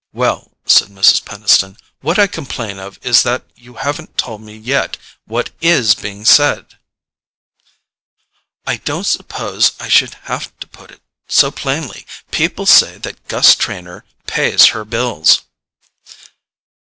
"Well," said Mrs. Peniston, "what I complain of is that you haven't told me yet what IS being said." "I didn't suppose I should have to put it so plainly. People say that Gus Trenor pays her bills."